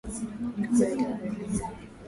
ki kuu ya tanzania